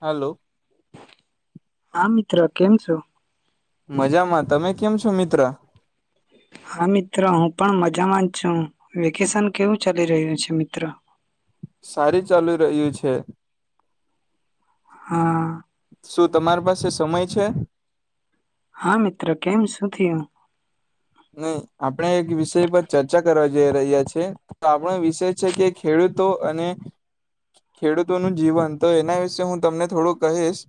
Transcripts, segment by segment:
હાલો આતી ત્ર કેમ છો મજામાં તમે કેમ છો મિત્ર હા મિત્રો હું પણ મજામાં છું. વેકેશન કેવું ચાલી રહ્યું છે મિત્રો સારી ચાલુ રહ્યું છે હા શું તમારી પાસે સમય છે હા મિત્ર કેમ શું થયયું નહી આપડે એક વિષય પર ચર્ચા કરવા જ રહ્યા છે તો આપણો વિષય છે કે ખેડૂતો અને ખેડૂતોનું જીવન તો એના વિશે હું તમને થોડું કહીશ.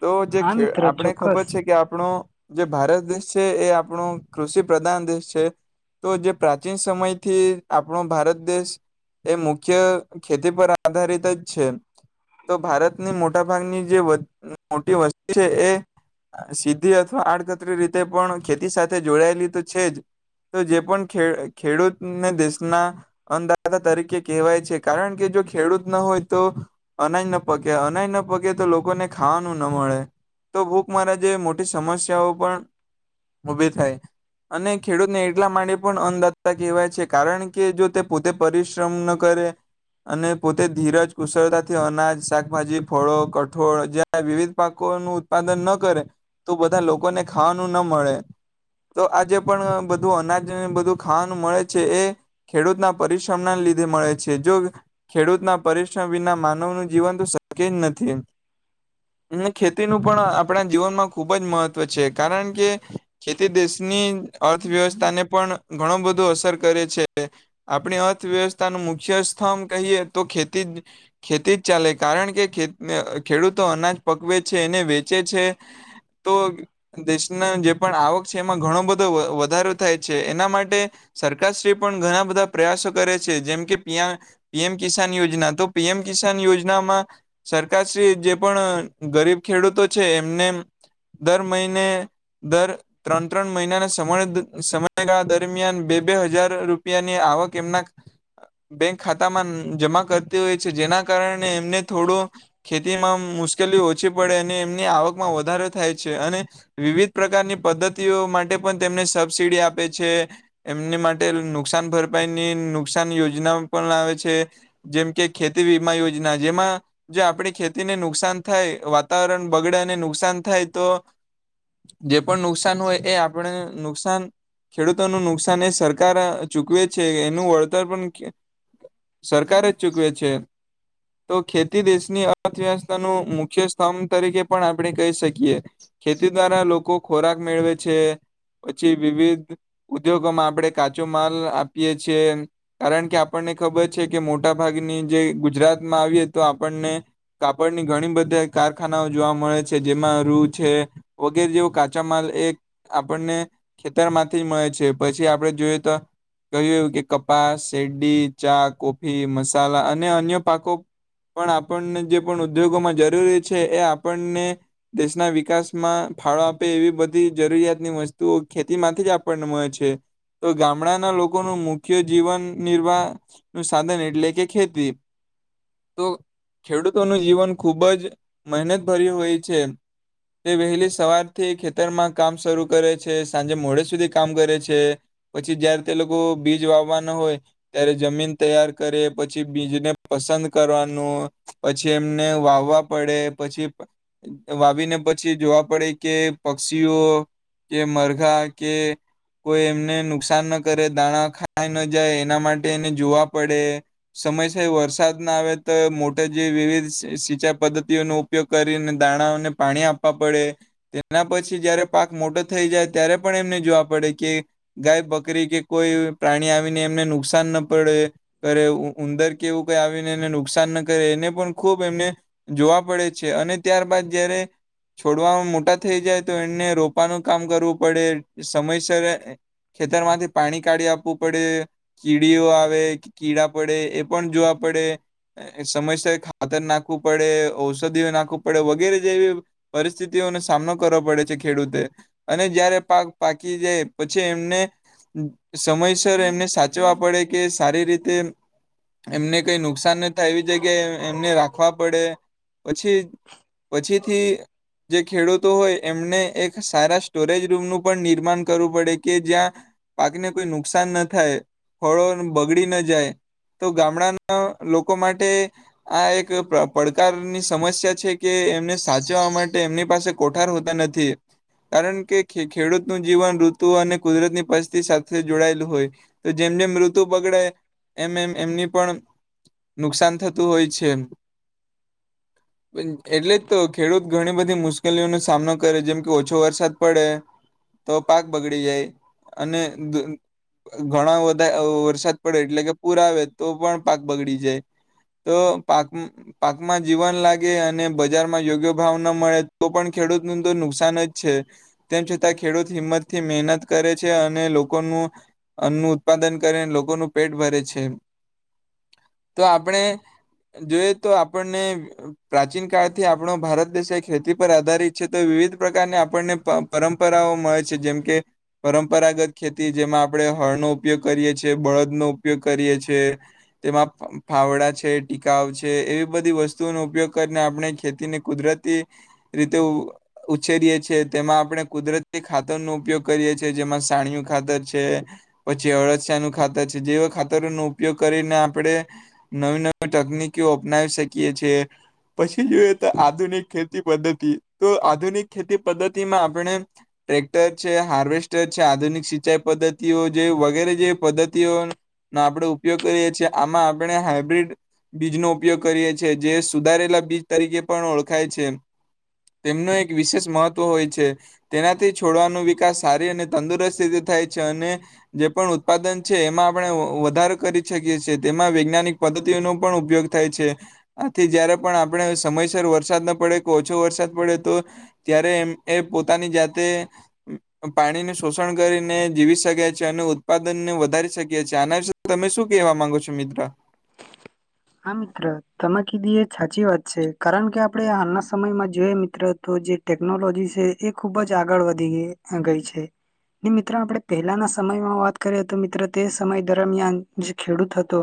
તો જે હા મિત્ર આપણે ચોક્કસ ખબર છે કે આપણો જે ભારત દેશ છે એ આપણો કૃષિ પ્રધાન દેશ છે. તો જે પ્રાચીન સમયથી આપણો ભારત દેશ એ મુખ્ય ખેતી પર આધારિત જ છે તો ભારતની મોટા ભાગની જે મોટી વસ્તુ છે એ સીધી અથવા આડકતરી રીતે પણ ખેતી સાથે તે જોડાયેલી તો છે જ જે પણ ખેડૂતને દેશના અનદાતા તરીકે કહેવાય છે કારણ કે જો ખેડૂત ન હોય તો અનાજ ન પાકે અનાજ ન પાકે તો લોકોને ખાવાનું ના મળે તો ભૂખ મારા જેવી મોટી સમસ્યાઓ પણ ઉભી થ અને ખેડૂતને એટલા માટેમાં પણ અનદાતા કહેવાય છે કારણ કે જો તે પોતે પરિશ્રમ ન કરે અને પોતે ધીરજ કુશળતાથી અનાજ શાકભાજી ફળો કઠોળ જ્યાં વિવિધ પાકોનું ઉત્પાદન ન કરે તો બધા લોકોને ખાવાનું ન મળે તો આજે પણ બધું અનાજ બધું ખાવાનું મળે છે. એ ખેડૂતના પરિશ્રમ ના લીધે મળે છે. જો ખેડૂતના પરિશ્રમ વિના માનવનું જીવન તો શક્ય જ નથી. ખેતીનું પણ આપણા જીવનમાં ખૂબ જ મહત્વ છે કારણ કે ખેતી દેશની અર્થવ્યવસ્થાને પણ ઘણું બધો અસર કરે છે. આપણી અર્થવ્યવસ્થાનો મુખ્ય સ્તંભ કહીએ તો ખેતી ખેતી જ ચાલે કારણ કે ખેડૂતો અનાજ પકવે છે એને વેચે છે તો દેશના જે પણ આવક છે એમાં ઘણો બધો વધારો થાય છે એના માટે સરકારશ્રી પણ ઘણા બધા પ્રયાસો કરે છે. દર ત્રણ ત્રણ મહિનાના સમ સમયગાળા દરમિયાન બે બે હજાર રૂપિયાની આવક એમના બેંક ખાતામાં જમા કરતી હોય છે જેના કારણે એમને થોડું ખેતી માં મુશ્કેલી ઓછી પડે અને એમની આવકમાં વધારો થાય છે અને વિવિધ પ્રકારની પદ્ધતિઓ માટે પણ તેમને સબસીિડી આપે છે એમની માટે નુકસાન ભરપાઈની નુકસાન યોજના પણ આવે છે જેમ કે ખેતી વીમા યોજના જેમાં જો આપણી ખેતીને નુકસાન થાય વાતાવરણ બગડેને નુકસાન થાય તો જે પણ નુકસાન હોય એ આપણે નુકસાન ખેડૂતોનું નુકસાન એ સરકાર ચૂકવે છે એનું વળતર પણ સરકાર જ ચૂકવે છે તો ખેતી દેશની અર્થવ્યવસ્થા ન મુખ્ય સ્તંભ તરીકે પણ આપણે કહી શકીએ ખેતી દ્વારા લોકો ખોરાક મેળવે છે, પછી વિવિધ ઉદ્યોગોમાં આપણે કાચો માલ આપીએ છે, કારણ કે આપણને ખબર છે કે મોટા ભાગની જે ગુજરાતમાં આવીએ તો આપણને, કાપડની ઘણી બધા કારખાનાઓ જોવા મળે છે જેમાં રૂ છે. વગેરે જેવો કાચા માલ એ આપણને ખેતર માંથી મળે છે પછી આપણે જોઈએ તો, કહ્યું કે કપાસ શેરડી ચા કોફી મસાલા અને અન્ય પાકો પણ આપણને જે પણ ઉદ્યોગોમાં જરૂરી છે એ આપણને, દેશના વિકાસ માં ફાળો આપે એવી બધી જરૂરિયાતની વસ્તુઓ ખેતીમાંથી જ આપણને મળે છે, તો ગામડાના લોકોનું મુખ્ય જીવન નિર્વાહ ન સાધન એટલે કે ખેતી, તો ખેડૂતોનું જીવન ખૂબ જ મહેનતભર્યું હોય છે. તે વહેલી સવારથી ખેતરમાં કામ શરૂ કરે છે સાંજે મોડે સુધી કામ કરે છે, પછી જયારે તે લોકો બીજ વાવવાના હોય, ત્યારે જમીન તૈયાર કરે પછી બીજને પસંદ કરવાનું પછી એમને વાવવા પડે પછી વાવીને પ પછી જોવા પડે કે પક્ષીઓ કે મરઘા કે કોઈ એમને નુકસાન ના કરે દાણા ખાય ન જાય એના માટે એને જોવા પડે, સમયસય વરસાદ ના આવે તો મોટેા જે વિવિધ સિંચાઈ પદ્ધતિઓનો ઉપયોગ કરીને દાણાને પાણી આપ પડે, તેના પછી જયારે પાક મોટો થઈ જાય ત્યારે પણ એમને જોવા પડે કે ગાય બકરી કે કોઈ પ્રાણી આવીને એમને નુકસાન ના પડે, કર ઉંદર કે એવું કઈ આવીને એને નુકસાન ના કરે એને પણ ખૂબ એમને, જોવા પડે છે અને ત્યારબાદ જયારે છોડવામાં મોટા થઈ જાય તો એને રોપવાનું કામ કરવું પડે સમયસરે ખેતરમાંથી પાણી કાઢી આપવું પડે, કીડીઓ આવે કીડા પડે એ પણ જોવા પડે, સમયસરે ખાતર નાખવું પડે ઔષધિઓ નાખવું પડે વગેરે જેવી પરિસ્થિતિઓનો સામનો કરવો પડે છે ખેડૂતે, અને જયારે પાક પાકી જાય પછી એમને સમયસર એમને, સાચવા પડે કે સારી રીતે એમને કઈ નુકસાન ન થાય એવી જગ્યાએ એમને રાખવા પડે, પછી પછીથી જે ખેડૂતો હોય એમને એક સારા સ્ટોરેજ રૂમનું પણ નિર્માણ કરવું પડે કે જ્યાં, પાકને કોઈ નુકસાન ન થાય ફળો બગડી ન જાય તો ગામડાના લોકો માટે આ એક પડકારની સમસ્યા છે કે એમને સાચવવા માટે એમની પાસે કોઠાર હોતા નથી, કારણ કે ખેડૂતનું જીવન ઋતુ અને કુદરતની પસ્તી સાથે જોડાયેલું હોય, તો જેમ જેમ ઋતુ બગડાય એમ એમ એમની પણ નુકસાન થતું હોય છે, એટલે જ તો ખેડૂત ઘણી બધી મુશ્કેલીઓનો સામનો કરે જેમ કે ઓછો વરસાદ પડે, તો પાક બગડી જાય અને ઘણા બધા વરસાદ પડે એટલે કે પૂર આવે તો પણ પાક બગડી જાય, તો પાક પાકમાં જીવન લાગે અને બજારમાં યોગ્ય મળે તો પણ ખેડૂત ન તો નુકસાન જ છે, તેમ છતાં ખેડૂત હિંમત થી મહેનત કરે છે અને લોકોનું, અન્નું ઉત્પાદન કરે લોકોનું પેટ ભરે છે, તો આપણે જોઈએ તો આપણને પ્રાચીન કળથી આપણ ભારત દ ખેતી પર આધારિત છે તો વિવિધ પ્રકારની આપણને પરંપરાઓ મળે છે જેમકે પરંપરાગત ખેતી જેમાં આપણે હળનો ઉપયોગ કરીએ છીએ બળદનોો ઉપયોગ કરીએ છીએ તેમાં ફાવડા છે ટકાઉ છે એવી બધી વસ્તુઓનો ઉપયોગ કરીને આપણે ખેતીને કુદરત રીતે ઉછેરીએ છીએ તેમાં આપણે કુદરતી ખાતર નો ઉપયોગ કરીએ છીએ જેમાં સાણીયું ખાતર છે, પછી અળસિયા નું ખાતર છે જેવા ખાતરો નો ઉપયોગ કરીને આપણે, નવી નવી તકનીકઓ અપનાવી શકીએ, છએ પછી જોઈએ તો આધુનિક ખેતી પદ્ધતિ તો આધુનિક ખેતી પદ્ધતિમાં આપણે ટ્રેક્ટર છે હાર્વેસ્ટર છે આધુનિક સિંચાઈ પદ્ધતિઓ જે વગેરે જે પદ્ધતિઓનો આપણે ઉપયોગ કરીએ છીએ આમાં આપણે હાઈબ્રિડ બીજનોો ઉપયોગ કરીએ છીએ જે સુધારેલા બીજ તરીકે પણ ઓળખ તેમનું એક વિશેષ મહત્વ હોય છે, તેનાથી છોડવાનો વિકાસ સારી અને તંદુરસ્ત રીતે થાય છે અને, જે પણ ઉત્પાદન છે એમાં આપણે વધારો કરી શકીએ છીએ તેમાં વૈજ્ઞાનિક પદ્ધતિનો પણ ઉપયોગ થાય છે, આથી જયારે પણ આપણે સમયસર વરસાદ ન પડે કે ઓછો વરસાદ પડે તો, ત્યારે એમ એ પોતાની જાતે પાણીનું શોષણ કરીને જીવી શક્યા છે અને ઉત્પાદનને વધારી શકી્યા છે આના વિ તમે શું કહેવા માંગો છો મિત્ર? હા મિત્ર તમાકી દી એ સાચી વાત છે કારણ કે આપણે હાલના સમયમાં જોઈએ મિત્ર તો જે ટેકનોલોજી છે એ ખુબ જ આગળ વધી ગઈ છે ને મિત્રો આપણે પહેલાના સમયમાં વાત કરીએ તો મિત્ર તે સમય દરમિયાન જે ખેડૂત હતો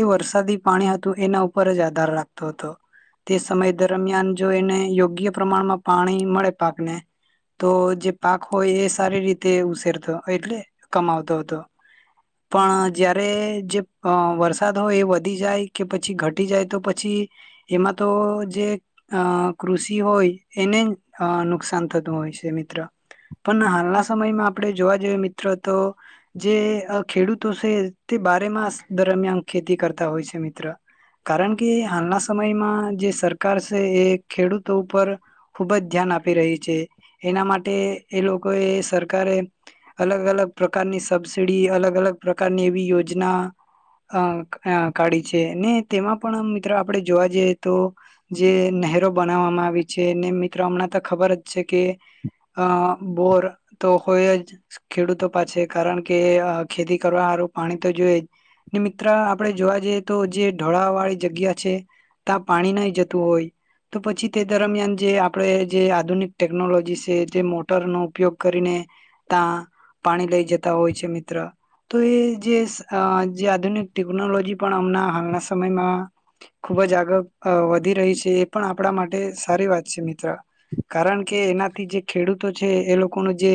એ વરસાદી પાણી હતું એના ઉપર જ આધાર રાખતો હતો, તે સમય દરમિયાન જો એને યોગ્ય પ્રમાણમાં પાણી મળે પાકને, તો જે પાક હોય એ સારી રીતે ઉછરતો એટલે કમાવતો હતો, પણ જયારે જે વરસાદ હોય એ વધી જાય કે પછી ઘટી જાય તો પછી, એમાં તો જે અ કૃષિ હોય એને નુકસાન થતું હોય છે મિત્ર, પણ હાલના સમયમાં આપણે જોવા જઈએ મિત્ર તો, જે ખેડૂતો છે તે બારે માસ દરમિયાન ખેતી કરતા ય છે મિત્ર, કારણ કે હાલના સમયમાં જે સરકાર છે એ ખેડૂતો ઉપર ખુબ જ ધ્યાન આપી રહી છે, એના માટે એ લોકો એ સરકારે અલગ અલગ પ્રકારની સબસીડી અલગ અલગ પ્રકારની એવી યોજના અ અ કાઢી છે ને તેમાં પણ મિત્ર આપણે જોવા જઈએ તો જે નહેરો બનાવવામાં આવી છે ને મિત્રો હમણાં તો ખબર જ છે કે અ બોર તો હોય જ ખેડૂતો પાસે કારણ કે ખેતી કરવારું પાણી તો જોઈએ જ ને મિત્ર આપણે જોવા જઈએ તો જે ઢોળા વાળી જગ્યા છે ત્યાં પાણી નહી જતું હોય તો પછી તે દરમિયાન જે આપણે જે આધુનિક ટેકનોલોજી છે જે મોટરનો ઉપયોગ કરીને ત્યાં પાણી લઈ જતા હોય છે મિત્ર તો એ જે આધુનિક ટેકનોલોજી પણ હમણા હાલના સમયમાં ખુબ જ આગળ વધી રહી છે એ પણ આપણા માટે સારી વાત છે મિત્ર કારણ કે એનાથી જે ખેડૂતો છે એ લોકોનું જે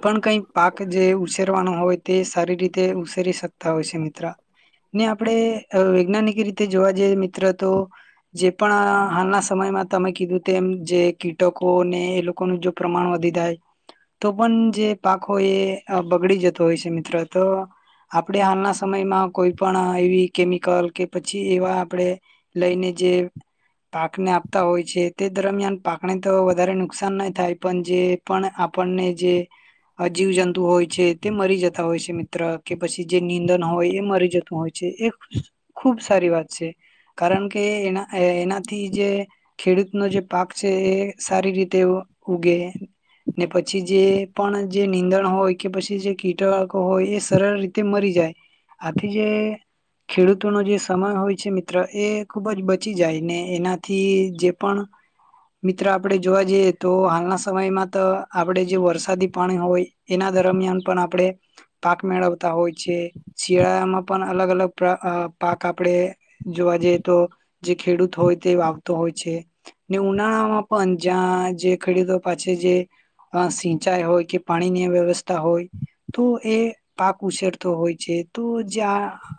પણ કઈ પાક જે ઉછરવાનું હોય તે સારી રીતે ઉશેરી શકતા હોય છે મિ ત્ર ને આપણે વૈજ્ઞાનિક રીતે જોવા જઈએ મિત્ર તો જે પણ હાલના સમયમાં તમે કીધું તેમ જે કીટકો ને એ લોકોનું જો પ્રમાણ વધી જાય તો પણ જે પાક હોય એ બગડી જતો હોય છે મિત્ર તો આપણે હાલના સમયમાં કોઈ પણ એવી કેમિકલ કે પછી એવા આપણે લઈને જે પાકને આપતા હોય છે તે દરમિયાન પાકને તો વધારે નુકસાન નાહી થાય પણ જે પણ આપણને જે અજીવ જંતુ હોય છે તે મરી જતા હોય છે મિત્ર કે પછી જે ંદણ હોય એ મરી જતું હોય છે એ ખુબ સારી વાત છે કારણ કે એના એનાથી જે ખેડૂતનો જે પાક છે એ સારી રીતે ઉગે ને પછી જે પણ જે નીંદણ હોય કે પછી જે કીટકો હોય એ સરળ રીતે મરી જાય આથી જે ખેડૂતોનો જે સમય હોય છે મિત્ર એ ખુબ જ બચી જાય ને એનાથી જે પણ મિત્ર આપણે જોવા જઈએ તો હાલના સમયમાં તો આપણે જે વરસાદી પાણી હોય એના દરમિયાન પણ આપણે પાક મેળવતા હોય છે શિયાળામાં પણ અલગ અલગ પાક આપણેે જોવા જઈએ તો જે ખેડૂત હોય તે વાવતો હોય છે ને ઉનાળામાં પણ જ્યાં જે ખેડૂતો પાસે જે સિંચાઈ હોય કે પાણીની વ્યવસ્થા હોય તો એ પાક ઉછરતો હોય તો જે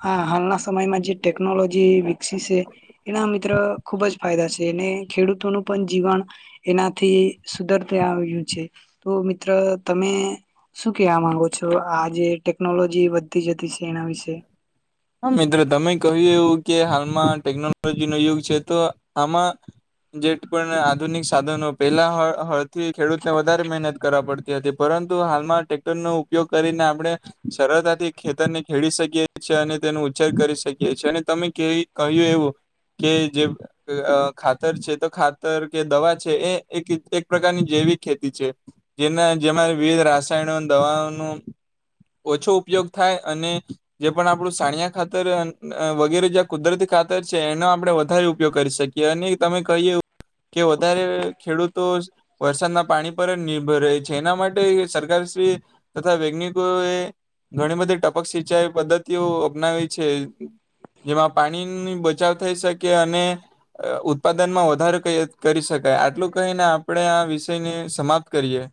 હાલના સમયમાં જે ટેકનોલોજી વિકસી છે એના મિત્ર ખુબ જ ફાયદા છે અને ખેડૂતોનું પણ જીવન એનાથી સુધરતા આવ્યું છે તો મિત્ર તમે શું કેહેવા માંગો છો આ જે ટેકનોલોજી જતી જતી છે એના વિશે હા મિત્રો તમે કહ્યું એું કે હાલમાં ટેકનોલોજી ન યુગ છે તો આમાં જે પણ આધુનિક સાધનો પહેલા થી ખેડૂત ને વધારે મહેનત કરવા પડતી હતી પરંતુ હાલમાં ટટેક્ટરનો ઉપયોગ કરીને આપણે સરળતાથી ખેતરને ખેડી શકીએ છીએ અને તેનો ઉછેર કરી શકીએ છી અને તમે કહ્યું એવું કે જે ખાતર છે તો ખાતર કે દવા છે એ એક એક પ્રકારની જૈવિક ખેતી છે જેના જેમાં વિવિધ રાસાયણ દવાઓનો ઓછો ઉપયોગ થાય અને જે પણ આપું સાણિયા ખાતર વગેરે જ્યાં કુદરતી ખાતર છે એનો આપણે વધારે ઉપયોગ કરી શકીએ અને તમે કહીએ કે વધારે ખેડૂતો વરસાદના પાણી પર જ નિર્ભર રહે છે એના માટે સરકારશ્રી તથા વૈજ્ઞિકો એ ઘણી બધી ટપક સિંચાઈ પદ્ધતિ ઓ અપનાવી છે જેમાં પાણીની બચાવ થઈ શકે અને ઉત્પાદનમાં વધારો કરી શકાય આટલું કહીને આપણે આ વિષયને સમાપ્ત કરીએ